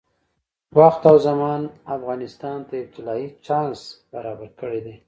وخت او زمان افغانستان ته یو طلایي چانس برابر کړی دی.